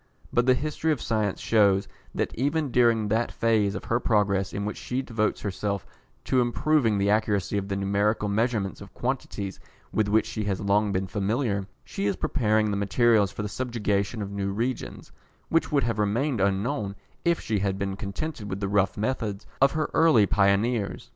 But the history of science shews that even during that phase of her progress in which she devotes herself to improving the accuracy of the numerical measurement of quantities with which she has long been familiar, she is preparing the materials for the subjugation of new regions, which would have remained unknown if she had been contented with the rough methods of her early pioneers.